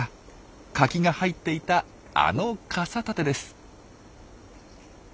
カキが入っていたあの傘立てです。